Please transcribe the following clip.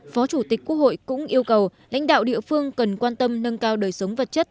phó chủ tịch quốc hội cũng yêu cầu lãnh đạo địa phương cần quan tâm nâng cao đời sống vật chất